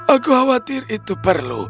aku khawatir itu perlu